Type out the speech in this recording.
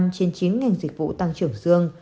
năm trên chín ngành dịch vụ tăng trưởng dương